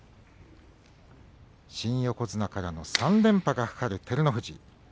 新横綱からの３連覇がかかる照ノ富士。